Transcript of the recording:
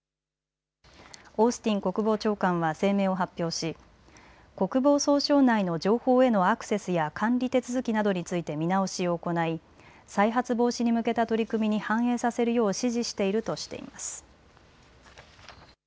オースティン国防長官は声明を発表し国防総省内の情報へのアクセスや管理手続きなどについて見直しを行い再発防止に向けた取り組みに反映させるよう指示しているとしています。